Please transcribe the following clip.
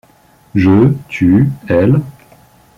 Je, tu, elles...